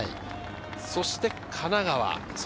そして神奈川。